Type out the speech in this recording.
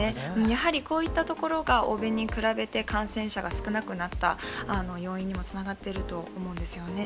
やはり、こういったところが欧米に比べて感染者が少なくなった要因にもつながっていると思うんですよね。